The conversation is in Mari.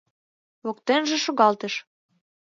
Воктенже шогалтыш.